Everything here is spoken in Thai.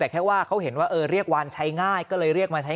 แต่แค่ว่าเขาเห็นว่าเออเรียกวานใช้ง่ายก็เลยเรียกมาใช้